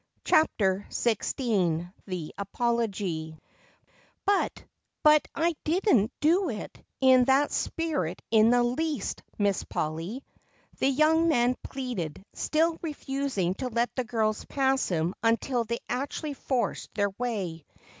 CHAPTER XVI The Apology "But but I didn't do it in that spirit in the least, Miss Polly," the young man pleaded, still refusing to let the girls pass him unless they actually forced their way.